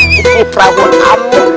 guci prabu tamu